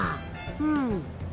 うん。